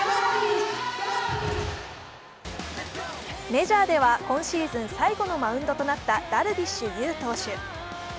メジャーでは今シーズン最後のマウンドとなったダルビッシュ有投手。